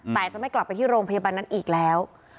แต่จะไม่กลับไปที่โรงพยาบาลนั้นอีกแล้ว